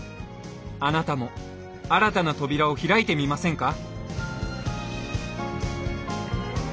あなたも新たな扉を開いてみませんか？